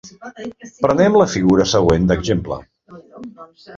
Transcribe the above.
Prenem la figura següent d'exemple.